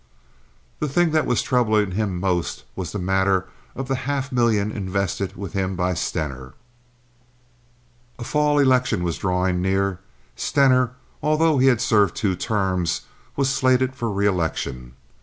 The thing that was troubling him most was the matter of the half million invested with him by Stener. A fall election was drawing near. Stener, although he had served two terms, was slated for reelection.